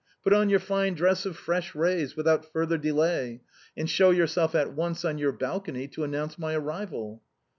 Put on your fine dress of fresh rays without further delay, and show yourself at once on your balcony to announce my arrival."